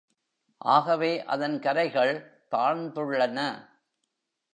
ஆகவே, அதன் கரைகள் தாழ்ந்துள்ளன.